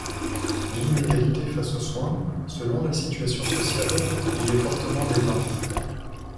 L'inégalité face aux soins, selon la situation sociale, y est fortement dépeinte...